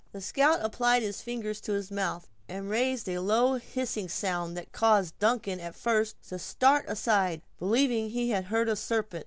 The scout applied his fingers to his mouth, and raised a low hissing sound, that caused Duncan at first to start aside, believing that he heard a serpent.